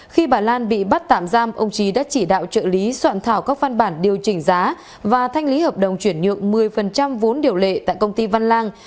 khi bà lan bị bắt tạm giam ông trí đã chỉ đạo trợ lý soạn thảo các văn bản điều chỉnh giá và thanh lý hợp đồng chuyển nhượng một mươi vốn điều lệ tại công ty văn lang